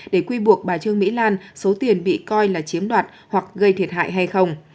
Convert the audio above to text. để quy buộc bà trương mỹ lan số tiền bị coi là chiếm đoạt hoặc gây thiệt hại hay không